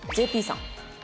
ＪＰさん。